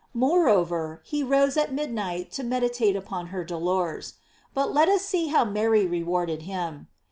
Moreover, he rose at midnight to meditate upon her dolors. But let us see how Mary rewarded him.